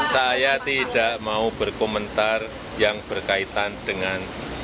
saya tidak mau berkomentar yang berkaitan dengan